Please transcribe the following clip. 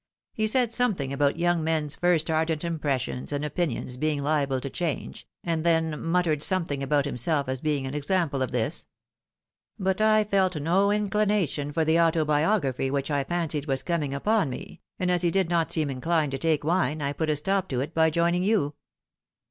He said something about young men's first ardent impressions and opinions being liable to change, and then muttered something about himself as being an example of this. But I felt no inclination for the auto biography which I fancied was coming upon me, and as he did not seem inclined to take wine, I put a stop to it by joining you."